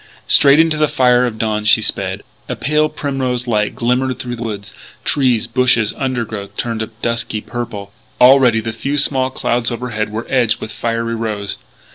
Straight into the fire of dawn she sped. A pale primrose light glimmered through the woods; trees, bushes, undergrowth turned a dusky purple. Already the few small clouds overhead were edged with fiery rose.